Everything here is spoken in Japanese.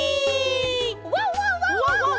ワンワンワンワンワンワン。